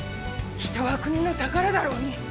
人は国の宝だろうに。